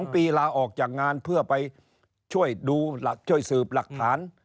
๒ปีลาออกจากงานเพื่อไปช่วยดูช่วยสืบหลักฐาน